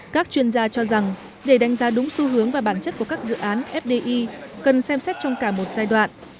các chuyên gia cho rằng để đánh giá đúng xu hướng và bản chất của các dự án fdi cần xem xét trong cả một giai đoạn